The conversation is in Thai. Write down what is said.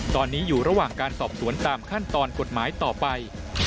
ตอนนี้อยู่ระหว่างการสอบสวนตามขั้นตอนกฎหมายต่อไป